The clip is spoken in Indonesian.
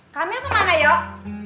camilla kemana yuk